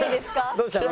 「どうしたの？